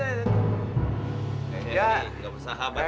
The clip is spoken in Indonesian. nih nih gak bersahabat